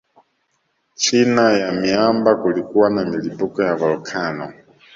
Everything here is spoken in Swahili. China ya miamba kulikuwa na milipuko ya volkano